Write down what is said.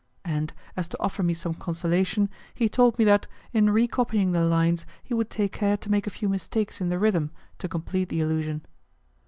And, as to offer me some consolation, he told me that, in recopying the lines, he would take care to make a few mistakes in the rhythm to complete the illusion.